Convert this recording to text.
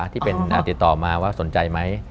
ที่เป็นติดต่อมาว่าสนใจไหม